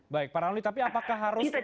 baik pak ramli tapi apakah harus